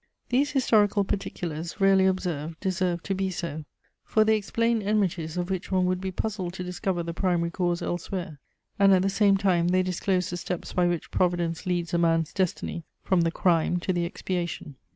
These historical particulars, rarely observed, deserved to be so; for they explain enmities of which one would be puzzled to discover the primary cause elsewhere, and at the same time they disclose the steps by which Providence leads a man's destiny from the crime to the expiation.